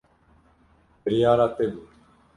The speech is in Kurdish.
Biryara te bû.